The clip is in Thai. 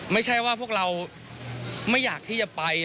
ไม่ใช่ว่าพวกเราไม่อยากที่จะไป